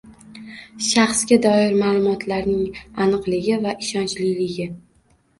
shaxsga doir ma’lumotlarning aniqligi va ishonchliligi;